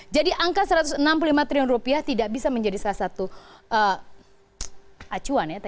jadi angka satu ratus enam puluh lima triliun rupiah tidak bisa menjadi salah satu acuan ya